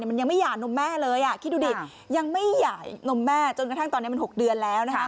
มันยังไม่หย่านมแม่เลยคิดดูดิยังไม่หย่านมแม่จนกระทั่งตอนนี้มัน๖เดือนแล้ว